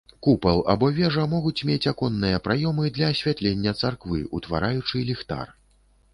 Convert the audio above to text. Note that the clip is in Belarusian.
Купал або вежа могуць мець аконныя праёмы для асвятлення царквы, утвараючы ліхтар.